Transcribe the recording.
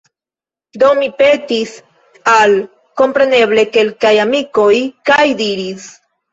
Do mi petis al, kompreneble, kelkaj amikoj, kaj diris: